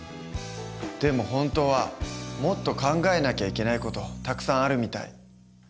でも本当はもっと考えなきゃいけない事たくさんあるみたい。